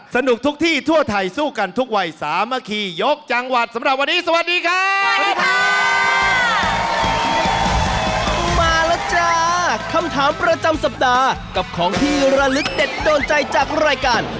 สนุกทุกที่ทั่วไทยสู้กันทุกวัยสามคียกจังหวัดสำหรับวันนี้สวัสดีค่ะ